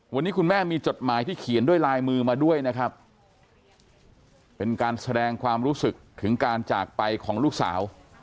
วันนี้คุณแม่มีจดหมายที่เขียนด้วยลายมือมาด้วยนะครับเป็นการแสดงความรู้สึกถึงการจากไปของลูกสาว